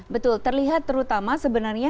betul terlihat terutama sebenarnya